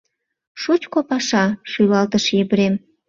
— Шучко паша, — шӱлалтыш Епрем.